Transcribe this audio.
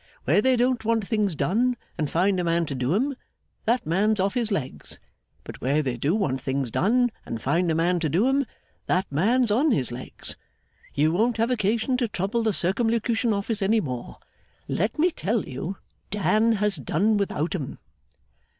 Where they don't want things done and find a man to do 'em, that man's off his legs; but where they do want things done and find a man to do 'em, that man's on his legs. You won't have occasion to trouble the Circumlocution Office any more. Let me tell you, Dan has done without 'em!